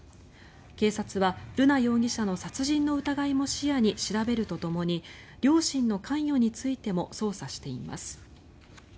警察は瑠奈容疑者の殺人の疑いも視野に調べるとともに両親の関与についても捜査しています。